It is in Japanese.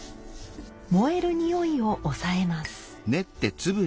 燃えるにおいを抑えます。